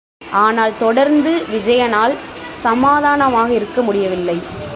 ஆனால் தொடர்ந்து விஜயனால் சமாதானமாக இருக்க முடியவில்லை.